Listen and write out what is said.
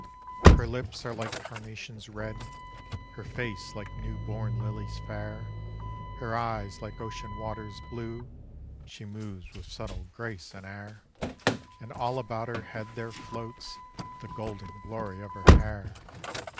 Her lips are like carnations red, Her face like new born lilies fair, Her eyes like ocean waters blue, She moves with subtle grace and air, And all about her head there floats The golden glory of her hair.